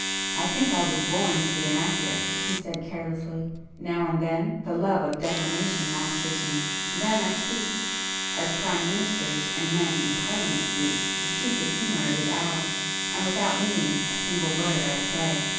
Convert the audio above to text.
"I think I was born to be an actor"—he said carelessly—"Now and then the love of declamation masters me. Then I speak—as Prime Ministers and men in Parliament speak—to suit the humour of the hour, and without meaning a single word I say!"